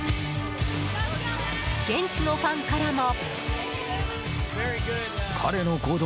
現地のファンからも。